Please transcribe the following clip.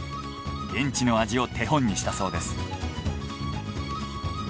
現地の味を手本にしたそうです。